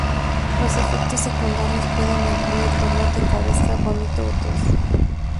Los efectos secundarios pueden incluir dolor de cabeza, vómitos o tos.